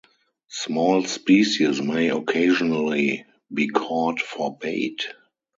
Small species may occasionally be caught for bait.